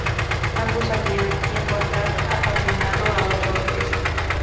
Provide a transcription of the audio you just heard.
Ambos habían, tiempo atrás, apadrinado a otra orquesta.